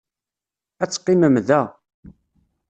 Ad teqqimem da.